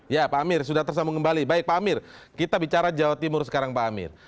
ya pak amir sudah tersambung kembali baik pak amir kita bicara jawa timur sekarang pak amir